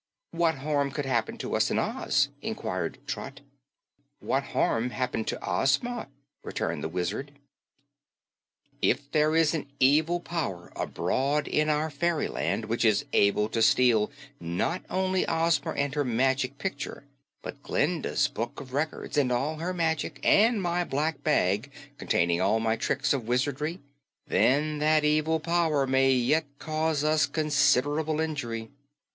"What harm could happen to us in Oz?" inquired Trot. "What harm happened to Ozma?" returned the Wizard. "If there is an Evil Power abroad in our fairyland, which is able to steal not only Ozma and her Magic Picture, but Glinda's Book of Records and all her magic, and my black bag containing all my tricks of wizardry, then that Evil Power may yet cause us considerable injury.